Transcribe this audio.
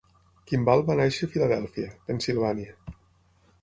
Kimball va néixer a Filadèlfia, Pennsilvània.